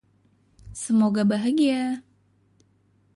Semoga bahagia!